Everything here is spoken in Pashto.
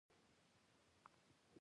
او زۀ پۀ سوچونو کښې ورک يم